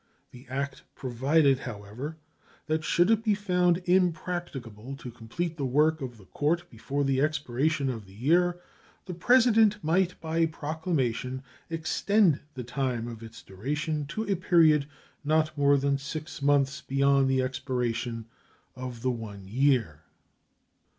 The act provided, however, that should it be found impracticable to complete the work of the court before the expiration of the year the President might by proclamation extend the time of its duration to a period not more than six months beyond the expiration of the one year.